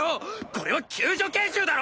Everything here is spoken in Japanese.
これは救助研修だろ！